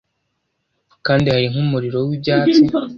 Kandi hari nkumuriro wibyatsi